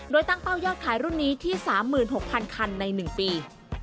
โดยตั้งเป้ายอดขายรุ่นนี้ที่๓๖๐๐คันใน๑ปี